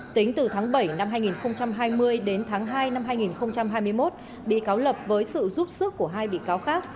tính từ tháng bảy năm hai nghìn hai mươi đến tháng hai năm hai nghìn hai mươi một bị cáo lập với sự giúp sức của hai bị cáo khác